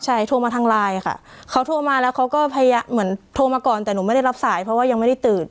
ใช่โทรมาทางไลน์ค่ะเขาโทรมาแล้วเขาก็พยายามเหมือนโทรมาก่อนแต่หนูไม่ได้รับสายเพราะว่ายังไม่ได้ตื่น